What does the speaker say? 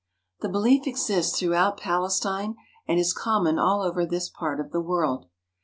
The belief exists throughout Palestine and is common all over this part of the world.